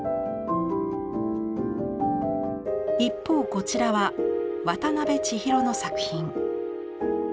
一方こちらは渡辺千尋の作品。